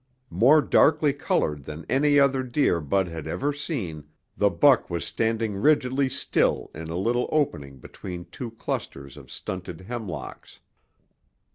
More darkly colored than any other deer Bud had ever seen, the buck was standing rigidly still in a little opening between two clusters of stunted hemlocks.